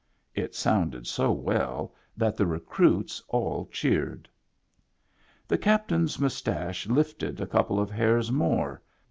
It sounded so well that the recruits all cheered. The captain's mustache lifted a couple of hairs more.